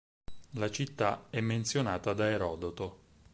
La città è menzionata da Erodoto.